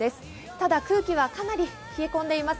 ただ、空気はかなり冷え込んでいます。